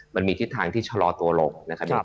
มันมีทิศทางที่ชะลอตัวลงนะครับ